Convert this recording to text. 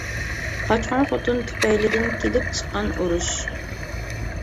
قاچقۇن خوتۇن تۈپەيلىدىن كېلىپ چىققان ئۇرۇش.